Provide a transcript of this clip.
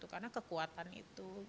karena kekuatan itu